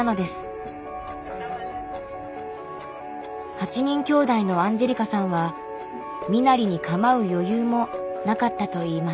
８人きょうだいのアンジェリカさんは身なりに構う余裕もなかったといいます。